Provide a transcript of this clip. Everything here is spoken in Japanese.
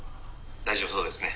「大丈夫そうですね。